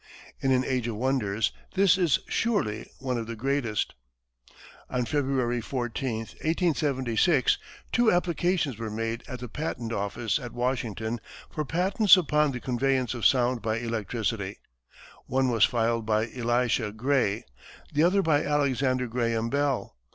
In an age of wonders, this is surely one of the greatest. On February 14, 1876, two applications were made at the patent office at Washington for patents upon the conveyance of sound by electricity. One was filed by Elisha Gray, the other by Alexander Graham Bell.